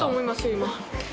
今。